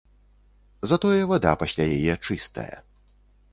Затое вада пасля яе чыстая.